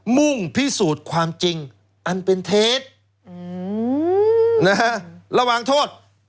มุ่งพิสูจน์ความจริงอันเป็นเท็จระหว่างโทษ